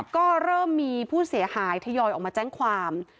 ก็เริ่มมีผู้เสียหายทยอยออกมาแจ้งความ